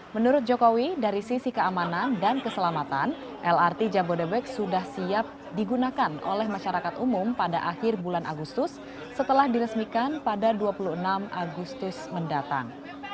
menurut jokowi dari sisi keamanan dan keselamatan lrt jabodebek sudah siap digunakan oleh masyarakat umum pada akhir bulan agustus setelah diresmikan pada dua puluh enam agustus mendatang